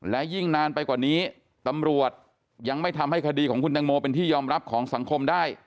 และยิ่งนานไปกว่านี้ตำรวจยังไม่ทำให้คดีของคุณตังโมเป็นที่ยอมรับของสังคมได้